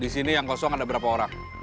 di sini yang kosong ada berapa orang